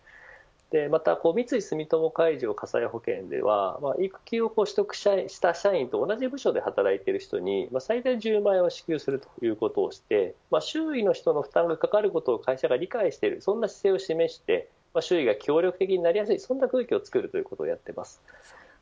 また、三井住友海上火災保険では育休を取得した社員と同じ部署で働いている人に最大１０万円を支給するということをして周囲の人の負担がかかることを会社が理解しているそんな周囲が協力的になりやすい空気を作っています。